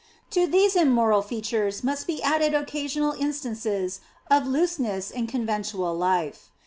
To these immoral features must be added occasional instances of looseness in conventual life.